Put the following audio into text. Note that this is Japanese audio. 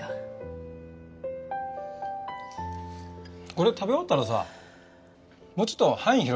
これ食べ終わったらさもうちょっと範囲広げてみようか。